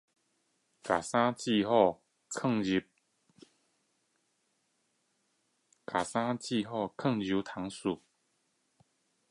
將衣服摺好放進衣櫃